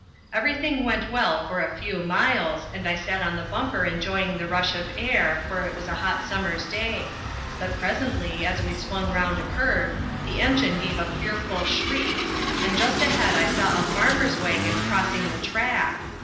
"] "Everything went well for a few miles, and I sat on the bumper enjoying the rush of air, for it was a hot summer's day; but presently, as we swung around a curve, the engine gave a fearful shriek, and just ahead I saw a farmer's wagon crossing the track.